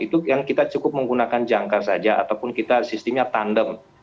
itu yang kita cukup menggunakan jangka saja ataupun kita sistemnya tandem